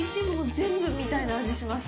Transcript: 全部みたいな味がします。